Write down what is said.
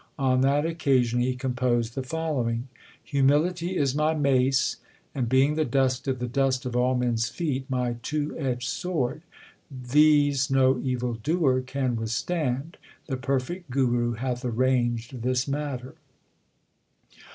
On that occasion he composed the following : Humility is my mace, And being the dust of the dust of all men s feet my two edged sword : LIFE OF GURU ARJAN 89 These no evil doer can withstand. The perfect Guru hath arranged this matter.